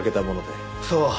そう。